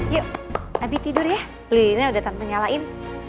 yuk abie tidur ya led nya udah tante nyalain